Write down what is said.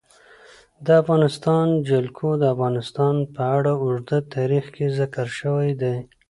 د افغانستان جلکو د افغانستان په اوږده تاریخ کې ذکر شوی دی.